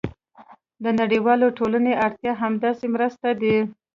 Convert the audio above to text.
د نړیوالې ټولنې اړتیا همدا مرستې دي.